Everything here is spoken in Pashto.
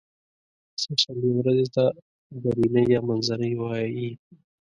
سې شنبې ورځې ته درینۍ یا منځنۍ وایی